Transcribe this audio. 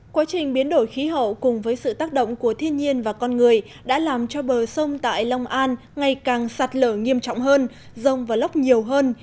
quá trình biến đổi khí hậu cùng với sự tác động của thiên nhiên và con người đã làm cho bờ sông tại long an ngày càng sạt lở nghiêm trọng hơn rông và lóc nhiều hơn